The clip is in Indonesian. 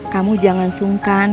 kamu jangan sungkan